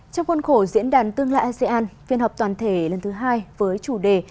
trong khuôn khổ diễn đàn tương lai asean phiên họp toàn thể lần thứ hai với chủ đề